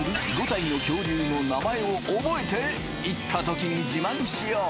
５体の恐竜の名前をオボエて行った時に自慢しよう